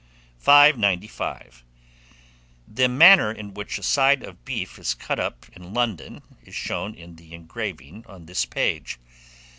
595. THE MANNER IN WHICH A SIDE OF BEEF is cut up in London, is shown in the engraving on this page.